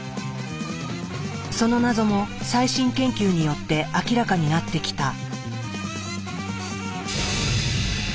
その謎も最新研究によって明らかになってきた。